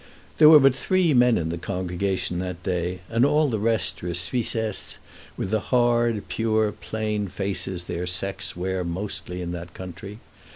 There were but three men in the congregation that day, and all the rest were Suissesses, with the hard, pure, plain faces their sex wear mostly in that country.